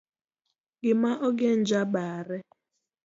gima ogen jabare